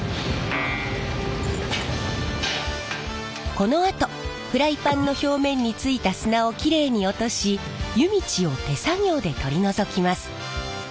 このあとフライパンの表面についた砂をきれいに落とし湯道を手作業で取り除きます。